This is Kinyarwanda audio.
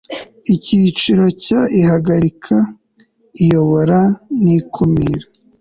icyiciro cya ihagarika iyobora n ikumira